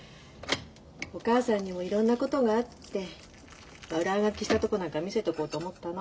お母さんにもいろんなことがあって悪あがきしたとこなんか見せとこうと思ったの。